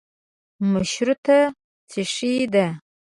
مشروطه څشي ده.